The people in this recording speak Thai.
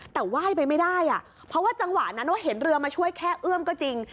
แต่ว่ายไปไม่ได้อ่ะเพราะว่าจังหวะนั้นเห็นเรือมาช่วยแค่เอื้อมก็จริง